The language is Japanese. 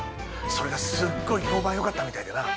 それがすっごい評判良かったみたいでな。